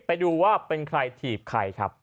ไปดูว่าเป็นใครถีบใครครับ